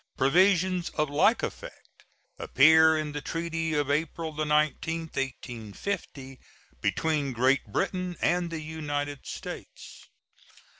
Provisions of like effect appear in the treaty of April 19, 1850, between Great Britain and the United States.